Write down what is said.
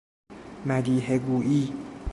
مدیحه گوئی